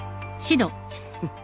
フッ。